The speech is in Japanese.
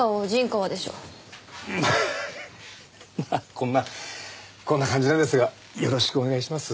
こんなこんな感じなんですがよろしくお願いします。